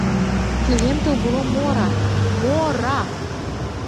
Кліентаў было мора, мо-ра!